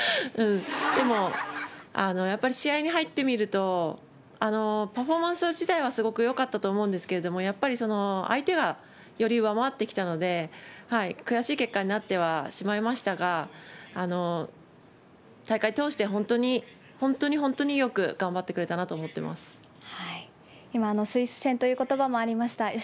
でもやっぱり、試合に入ってみると、パフォーマンス自体はすごくよかったと思うんですけれども、やっぱり相手がより上回ってきたので、悔しい結果になってはしまいましたが、大会通して、本当に、本当に本当によく頑張ってくれたなと思って今、スイス戦ということばもありました。